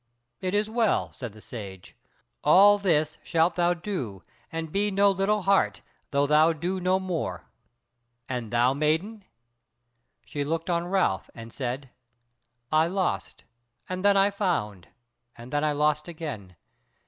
"It is well," said the Sage, "all this shalt thou do and be no little heart, though thou do no more. And thou, maiden?" She looked on Ralph and said: "I lost, and then I found, and then I lost again.